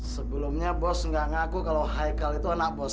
sebelumnya bos ga ngaku kalo haikal itu anak bos